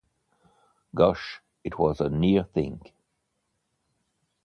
Gosh, it was a near thing!